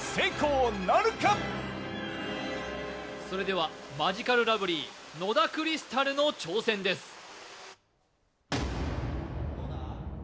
それではマヂカルラブリー、野田クリスタルの挑戦です。